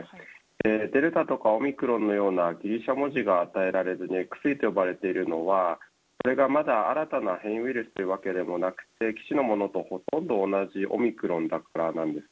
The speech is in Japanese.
デルタとかオミクロンのようなギリシャ文字が与えられずＸＥと呼ばれるのはこれが新たな変異ウイルスというわけでもなく既知のものとほとんど同じオミクロンだからということです。